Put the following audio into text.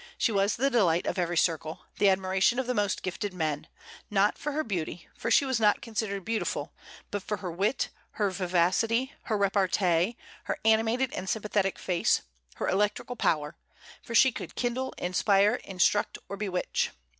She was the delight of every circle, the admiration of the most gifted men, not for her beauty, for she was not considered beautiful, but for her wit, her vivacity, her repartee, her animated and sympathetic face, her electrical power; for she could kindle, inspire, instruct, or bewitch.